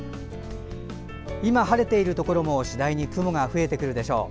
今、晴れているところも次第に雲が増えてくるでしょう。